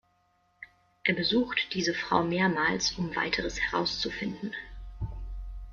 Er besucht diese Frau mehrmals, um weiteres herauszufinden.